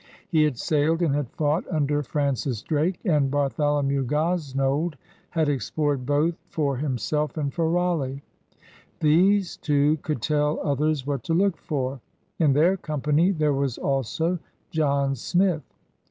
He had sailed and had fought under Francis Drake. And Bartholomew Gosnold had explored both for him self and for Raleigh. These two could tell others what to look for. In their company there was also John Smith.